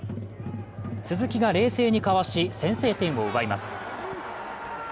鈴木が冷静にかわし、先制点を奪います。